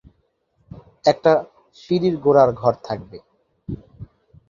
একটা সিঁড়ির গোড়ার ঘর থাকবে।